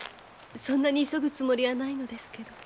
そんなに急ぐつもりはないのですけど。